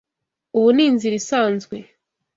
Ubu ni inzira isanzwe.